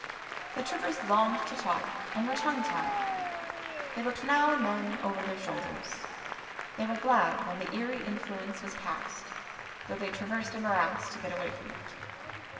The trippers longed to talk and were tongue tied; they looked now and then over their shoulders. They were glad when the eerie influence was passed, though they traversed a morass to get away from it.